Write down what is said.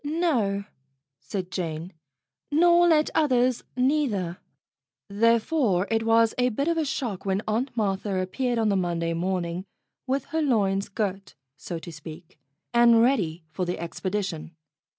"No," said Jane, "nor let others, neither." Therefore it was a bit of a shock when Aunt Martha appeared on the Monday morning with her loins girt, so to speak, and ready for the expedition.